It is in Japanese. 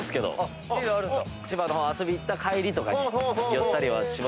千葉の方遊びに行った帰りとかに寄ったりはします。